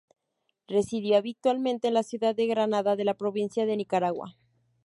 Residió habitualmente en la ciudad de Granada de la provincia de Nicaragua.